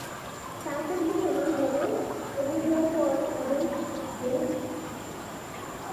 তারপর মুসলমান ধর্মের অভ্যুদয়ের পর এডেন আরবদের হাতে যায়।